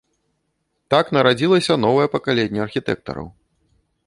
Так нарадзілася новае пакаленне архітэктараў.